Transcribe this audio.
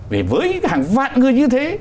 vì với hàng vạn người như thế